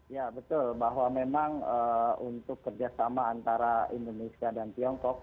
ya betul bahwa memang untuk kerjasama antara indonesia dan tiongkok